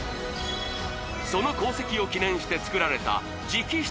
その功績を記念して作られた直筆